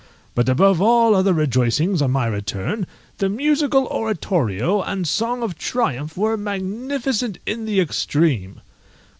But above all other rejoicings on my return, the musical oratorio and song of triumph were magnificent in the extreme.